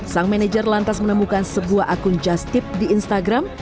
sang manajer lantas menemukan sebuah akun just tip di instagram